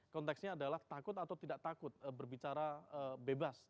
konteksnya adalah takut atau tidak takut berbicara bebas